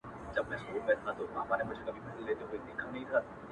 o ستا د غزلونو و شرنګاه ته مخامخ يمه ـ